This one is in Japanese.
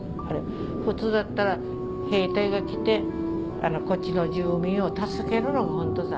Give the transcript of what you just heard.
普通だったら兵隊が来てこっちの住民を助けるのがホントさ。